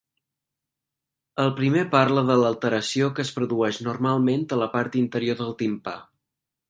El primer parla de l'alteració que es produeix normalment a la part interior del timpà.